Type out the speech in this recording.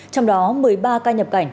trong đó một mươi ba ca nhập cảnh